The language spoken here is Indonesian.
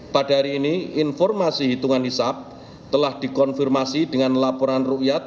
pada hari ini informasi hitungan hisap telah dikonfirmasi dengan laporan rukyat